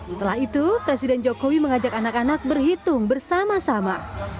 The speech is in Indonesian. setelah itu presiden jokowi mengajak anak anak berhitung bersama sama